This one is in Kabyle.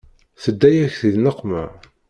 Tedda-yak di nneqma.